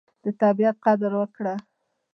د طبیعت قدر وکړه.